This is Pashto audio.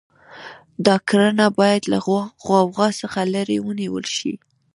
دا کړنه باید له غوغا څخه لرې ونیول شي.